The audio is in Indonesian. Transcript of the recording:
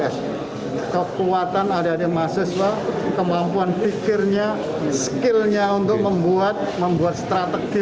s kekuatan adik adik mahasiswa kemampuan pikirnya skillnya untuk membuat membuat strategi